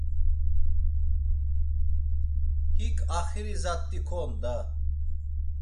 Hik axiri zat̆i kon da.